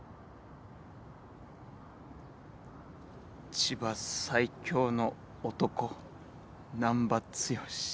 千葉最強の男難破剛